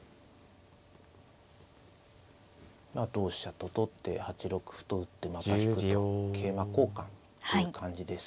同飛車と取って８六歩と打ってまた引くと桂馬交換という感じです。